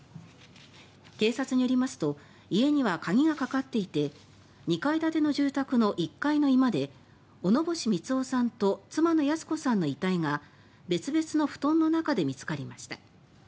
警察によりますと家には鍵がかかっていて２階建ての住宅の１階の居間で小野星三男さんと妻の泰子さんの遺体が別々の布団の中で見つかりました。